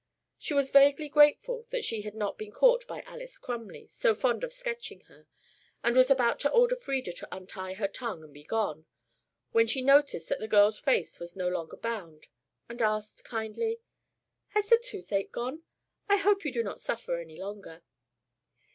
She was vaguely grateful that she had not been caught by Alys Crumley, so fond of sketching her, and was about to order Frieda to untie her tongue and be gone, when she noticed that the girl's face was no longer bound, and asked kindly: "Has the toothache gone? I hope you do not suffer any longer."